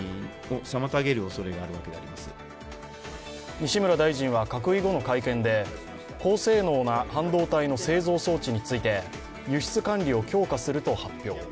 西村大臣は閣議後の会見で、高性能な半導体の製造装置について、輸出管理を強化すると発表。